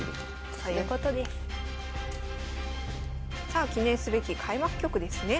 さあ記念すべき開幕局ですね。